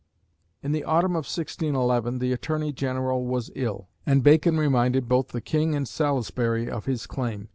In the autumn of 1611 the Attorney General was ill, and Bacon reminded both the King and Salisbury of his claim.